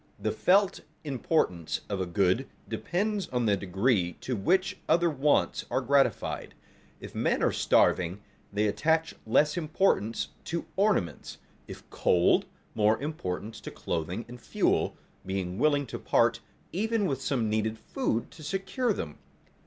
The felt importance of a good depends on the degree to which other wants are gratified. If men are starving, they attach less importance to ornaments; if cold, more importance to clothing and fuel, being willing to part even with some needed food to secure them.